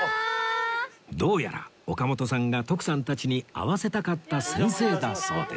どうやら岡本さんが徳さんたちに会わせたかった先生だそうです